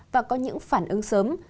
và có những phản ứng sớm